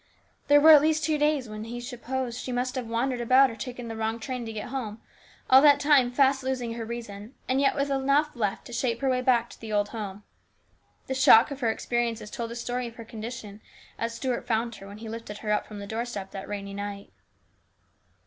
There were at least two days when he supposed she must have wandered about or taken the wrong train to get home, all that time fast losing her reason, and yet with enough left to shape her way back to the old home. The shock of her experiences told the story of her condition as Stuart found her when he lifted her up from the doorstep that rainy night.